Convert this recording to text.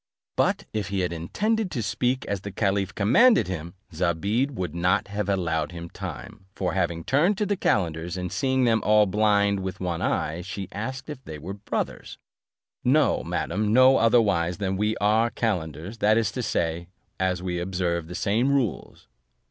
But if he had intended to speak as the caliph commanded him, Zobeide would not have allowed him time: for having turned to the calenders, and seeing them all blind with one eye, she asked if they were brothers. One of them answered, "No, madam, no otherwise than as we are calenders; that is to say, as we observe the same rules."